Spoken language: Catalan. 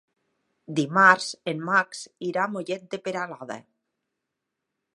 Dimarts en Max irà a Mollet de Peralada.